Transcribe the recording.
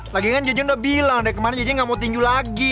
lagi kan jejen udah bilang dari kemana jejen nggak mau tinju lagi